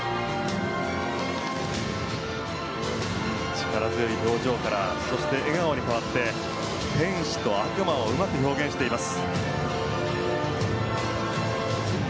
力強い表情からそして笑顔に変わって天使と悪魔をうまく表現しています。